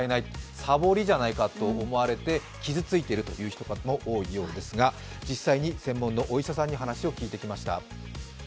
サボりじゃないかと思われて傷ついているという人も多いようですが、実際に専門のお医者さんに話を聞いてきました。